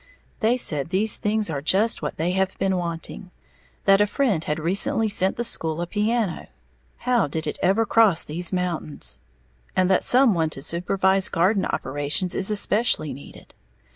They said these things are just what they have been wanting, that a friend has recently sent the school a piano (how did it ever cross these mountains!) and that some one to supervise garden operations is especially needed.